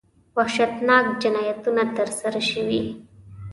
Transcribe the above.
وحشتناک جنایتونه ترسره شوي.